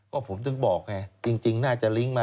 ก็ผมต้องบอกไงจริงน่าจะลิ้งมา